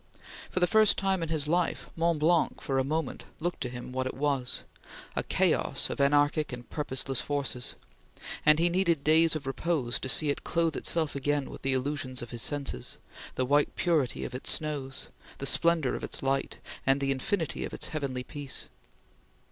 For the first time in his life, Mont Blanc for a moment looked to him what it was a chaos of anarchic and purposeless forces and he needed days of repose to see it clothe itself again with the illusions of his senses, the white purity of its snows, the splendor of its light, and the infinity of its heavenly peace.